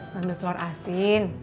ngambil telur asin